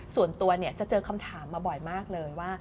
ส่วนตัวจะเจอคำถามมาบ่อยมากเลยว่า